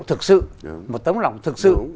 thực sự một tấm lòng thực sự